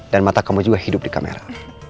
dan mata kamu juga hidup di kamera